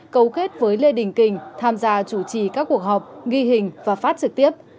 cầu khết với lê đình kình tham gia chủ trì các cuộc họp ghi hình và phát trực tiếp